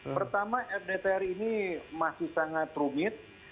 pertama fdtr ini masih sangat rumit